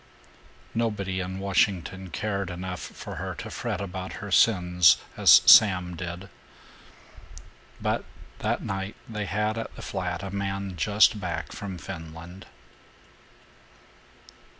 Nobody in Washington cared enough for her to fret about her sins as Sam did. But that night they had at the flat a man just back from Finland.